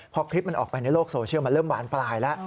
พอคลิปมันออกไปในโลกโซเชียลมันเริ่มหวานปลายแล้ว